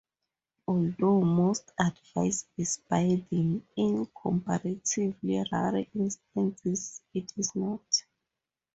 Although most advice is binding, in comparatively rare instances it is not.